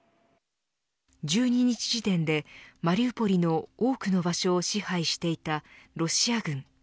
１２日時点で、マリウポリの多くの場所を支配していたロシア軍。